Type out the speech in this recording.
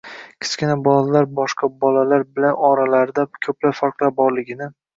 Kichkina bolalar boshqa bolalar bilan oralarida ko‘plab farqlar borligini